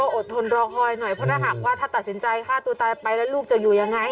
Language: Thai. อดทนรอคอยหน่อยเพราะถ้าหากว่าถ้าตัดสินใจฆ่าตัวตายไปแล้วลูกจะอยู่ยังไง